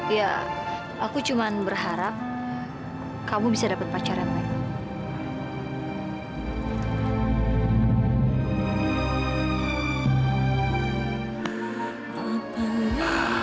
ya aku cuma berharap kamu bisa dapat pacaran baik